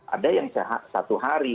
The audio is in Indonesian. ada yang satu hari